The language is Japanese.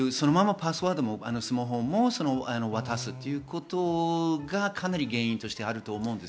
パスワードもスマホも渡すということが、かなり原因としてあると思います。